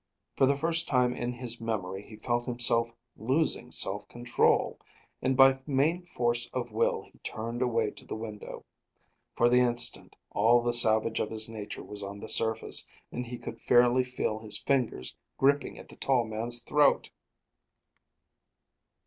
For the first time in his memory he felt himself losing self control, and by main force of will he turned away to the window. For the instant all the savage of his nature was on the surface, and he could fairly feel his fingers gripping at the tall man's throat.